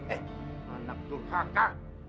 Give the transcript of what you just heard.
eh anak durhaka